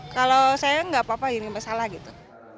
kalau saya nggak apa apa ini masalah gitu